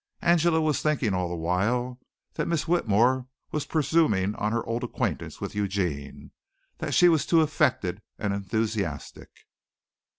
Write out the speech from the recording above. Angela was thinking all the while that Miss Whitmore was presuming on her old acquaintance with Eugene that she was too affected and enthusiastic.